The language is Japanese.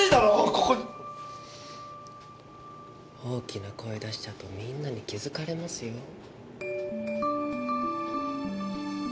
大きな声出しちゃうとみんなに気づかれますよ。